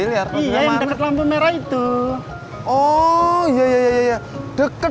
hei ya ya ya ya ya deba ya biar berjuang lhe laugh